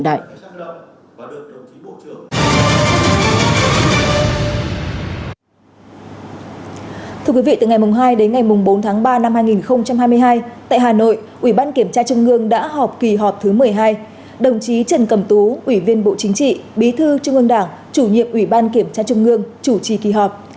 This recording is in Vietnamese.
thưa quý vị từ ngày hai đến ngày bốn tháng ba năm hai nghìn hai mươi hai tại hà nội ủy ban kiểm tra trung ương đã họp kỳ họp thứ một mươi hai đồng chí trần cầm tú ủy viên bộ chính trị bí thư trung ương đảng chủ nhiệm ủy ban kiểm tra trung ương chủ trì kỳ họp